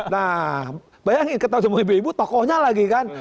nah bayangin ketemu sama ibu ibu tokohnya lagi kan